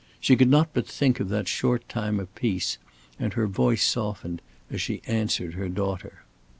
She could not but think of that short time of peace, and her voice softened as she answered her daughter.